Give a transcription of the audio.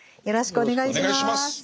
よろしくお願いします。